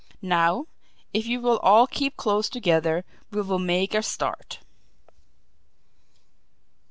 Now, if you will all keep close together, we will make a start."